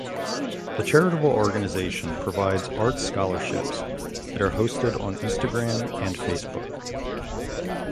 The charitable organization provides art scholarships that are hosted on Instagram and Facebook.